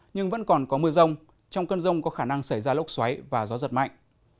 nhưng vẫn còn có mưa rông trong cơn rông có khả năng xảy ra lốc xoáy và gió giật mạnh